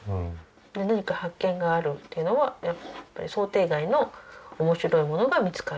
何か発見があるっていうのは想定外の面白いものが見つかる。